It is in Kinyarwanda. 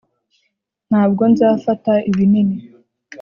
ntabwo nzafata ibinini.